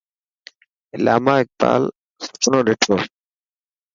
علامه اقبال سپنو ڏٺو.